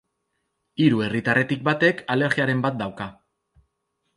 Hiru herritarretik batek alergiaren bat du.